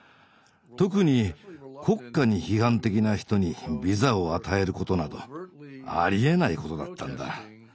特に国家に批判的な人にビザを与えることなどありえないことだったんだ。